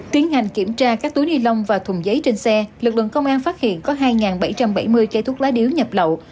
tiến hành kiểm tra các túi ni lông và thùng giấy trên xe lực lượng công an phát hiện có hai bảy trăm bảy mươi cây thuốc lá điếu nhập lậu